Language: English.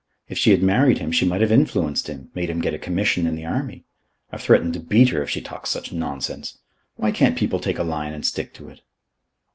If she had married him she might have influenced him, made him get a commission in the army. I've threatened to beat her if she talks such nonsense. Why can't people take a line and stick to it?"